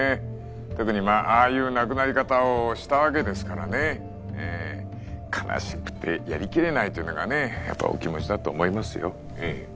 特にまあああいう亡くなり方をしたわけですからね悲しくてやり切れないというのがお気持ちだと思いますよ